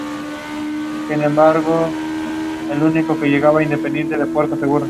Población de riesgo